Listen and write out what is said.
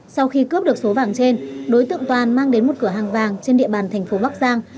sau khi cướp được số vàng trên đối tượng toàn mang đến một cửa hàng vàng trên địa bàn thành phố bắc giang